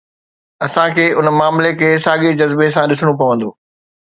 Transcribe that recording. اسان کي ان معاملي کي ساڳي جذبي سان ڏسڻو پوندو.